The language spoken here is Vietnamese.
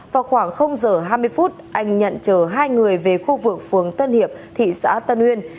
vào khoảng giờ hai mươi phút anh nhận chở hai người về khu vực phường tân hiệp thị xã tân uyên